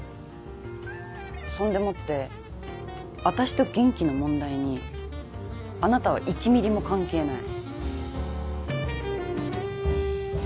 そんでもって私と元気の問題にあなたは１ミリも関係ない。